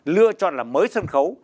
lựa chọn là mới sân khấu